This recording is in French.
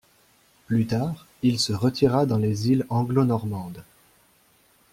Plus tard, il se retira dans les îles Anglo-Normandes.